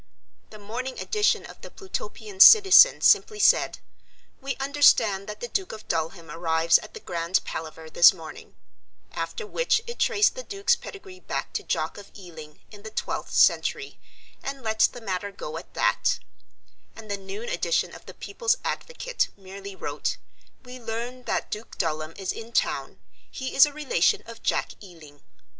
The morning edition of the Plutopian Citizen simply said, "We understand that the Duke of Dulham arrives at the Grand Palaver this morning," after which it traced the Duke's pedigree back to Jock of Ealing in the twelfth century and let the matter go at that; and the noon edition of the People's Advocate merely wrote, "We learn that Duke Dulham is in town. He is a relation of Jack Ealing."